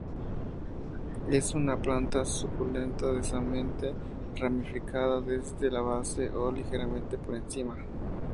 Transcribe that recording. Es una planta suculenta densamente ramificada desde la base o ligeramente por encima.